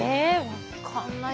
分かんない。